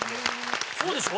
そうでしょ？